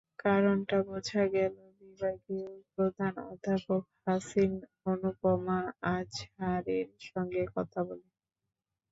কারণটা বোঝা গেল বিভাগীয় প্রধান অধ্যাপক হাসিন অনুপমা আজহারীর সঙ্গে কথা বলে।